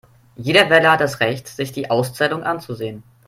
Jeder Wähler hat das Recht, sich die Auszählung anzusehen.